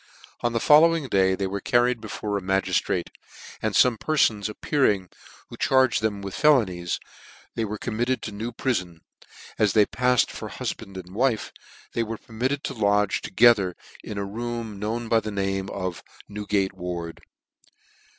On the following day they were carried before a magistrate, and fome perfons appearing who charged them with felonies, they were com mit ted to New prifon , and as they pafTed for hufband and wife, they were permitted to lodge together in a room known by the name of New gate Ward.